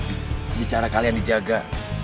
ini cara kalian dijaga